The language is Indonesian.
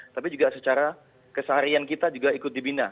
tapi juga secara keseharian kita juga ikut dibina